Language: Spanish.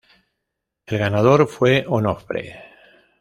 El ganador fue Onofre.